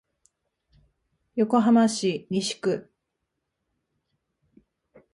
横浜市西区